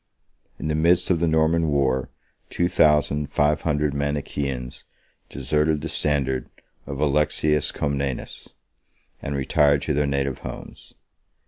In the midst of the Norman war, two thousand five hundred Manichaeans deserted the standard of Alexius Comnenus, 24 and retired to their native homes.